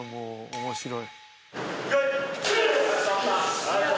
面白い。